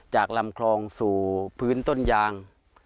ลำคลองสู่พื้นต้นยาง